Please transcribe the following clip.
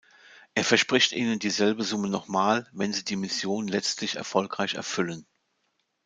Er verspricht ihnen dieselbe Summe nochmal, wenn sie die Mission letztlich erfolgreich erfüllen.